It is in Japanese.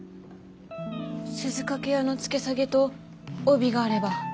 鈴懸屋の付け下げと帯があれば。